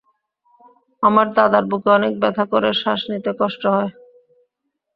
আমার দাদার বুকে অনেক ব্যথা করে শ্বাস নিতে কষ্ট হয়।